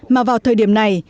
mà vào thời điểm này